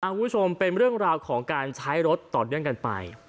คุณผู้ชมเป็นเรื่องราวของการใช้รถต่อเนื่องกันไป